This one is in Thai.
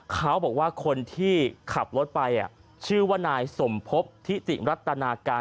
เขาบอกว่าคนที่ขับรถไปชื่อว่านายสมพบทิติรัตนาการ